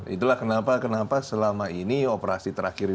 itulah kenapa kenapa selama ini operasi terakhir ini